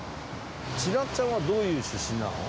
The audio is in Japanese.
千夏ちゃんはどういう出身なの？